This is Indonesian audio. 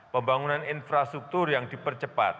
pembangunan infrastruktur yang dipercepat